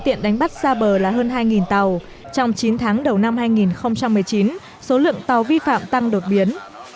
tiện đánh bắt xa bờ là hơn hai tàu trong chín tháng đầu năm hai nghìn một mươi chín số lượng tàu vi phạm tăng đột biến